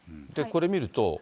これ見ると。